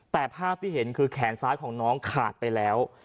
แต่ภาพที่เห็นคือแขนซ้ายของน้องขาดไปแล้ว